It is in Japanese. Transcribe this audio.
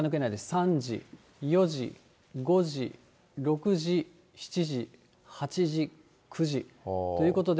３時、４時、５時、６時、７時、８時、９時ということで。